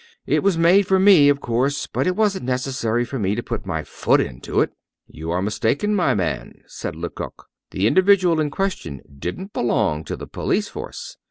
It was made for me, of course; but it wasn't necessary for me to put my foot into it." "You are mistaken, my man," said Lecoq. "The individual in question didn't belong to the police force.